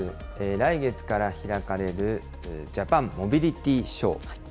来月から開かれるジャパンモビリティーショー。